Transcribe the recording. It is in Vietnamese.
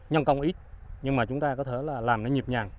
nhân công ít nhưng mà chúng ta có thể là làm nó nhịp nhàng